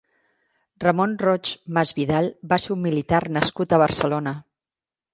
Ramon Roig Masvidal va ser un militar nascut a Barcelona.